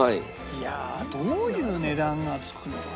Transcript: いやあどういう値段が付くのか。